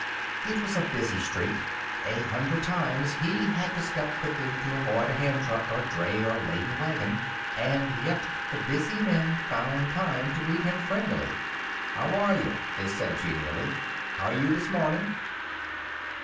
It was a busy street. A hundred times he had to step quickly to avoid a hand truck, or dray, or laden wagon. And yet the busy men found time to greet him friendlily. "H'are you!" they said genially. "H'are you this morning!"